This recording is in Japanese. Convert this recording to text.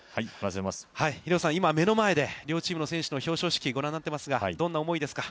廣瀬さん、今、目の前で両チームの表彰式をご覧になっていますが、どんな思いですか。